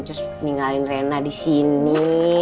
sus ninggalin rena disini